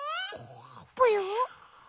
ぽよ？